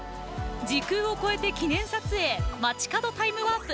時空を超えて記念撮影まちかどタイムワープ。